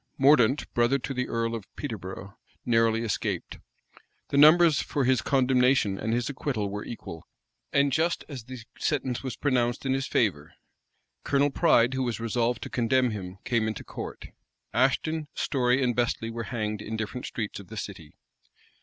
Mordaunt, brother to the earl of Peterborough, narrowly escaped. The numbers for his condemnation and his acquittal were equal; and just as the sentence was pronounced in his favor. Colonel Pride, who was resolved to condemn him, came into court. Ashton, Storey, and Bestley were hanged in different streets of the city.